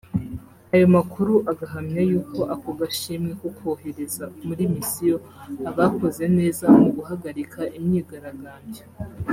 Ayo makuru agahamya yuko ako gashimwe ko kohereza muri misiyo ‘abakoze neza’ mu guhagarika imyigaragambyo